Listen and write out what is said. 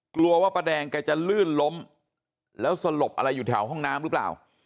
กลัวว่าป้าแดงแกจะลื่นล้มแล้วสลบอะไรอยู่แถวห้องน้ำหรือเปล่า